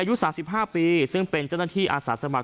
อายุ๓๕ปีซึ่งเป็นเจ้าหน้าที่อาสาสมัคร